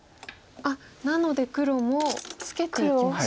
あっなので黒もツケていきました。